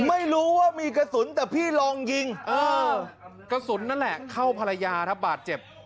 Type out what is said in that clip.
ไม่รู้ว่ามีกระสุนแต่พี่ลองยิงกระสุนนั่นแหละเข้าภรรยาครับบาดเจ็บ